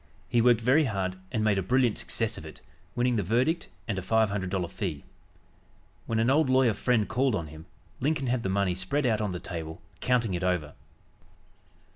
He worked very hard and made a brilliant success of it, winning the verdict and a five hundred dollar fee. When an old lawyer friend called on him, Lincoln had the money spread out on the table counting it over.